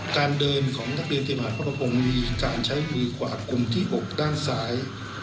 การเดินของนักเรียนที่มหาภพพรมมีการใช้มือกว่ากลุ่มที่๖ด้านซ้าย